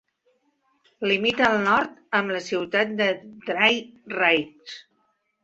Limita al nord amb la ciutat de Dry Ridge.